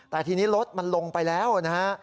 แต่ทีนี้รถมันลงไปแล้วนะฮะ